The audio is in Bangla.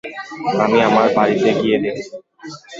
আমি আমার বাড়িতে গিয়ে দেখছি।